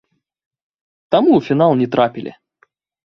Таму ў фінал не трапілі.